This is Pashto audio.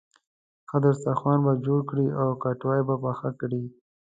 ښه دسترخوان به جوړ کړې او کټوۍ به پخه کړې.